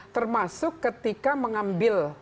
termasuk ketika mengambil